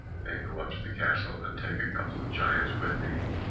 Then go up to the castle, and take a couple of giants with thee.